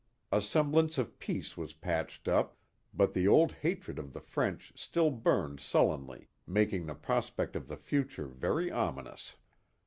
A semblance of peace was patched up, but the old hatred of the French still burned sul lenly, making the prospect of the future very ominous.